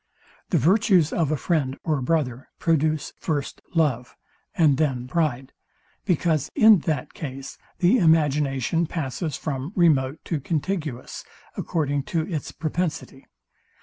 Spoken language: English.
The virtues of a friend or brother produce first love, and then pride; because in that case the imagination passes from remote to contiguous, according to its propensity.